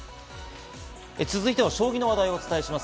続いては将棋の話題、お伝えします。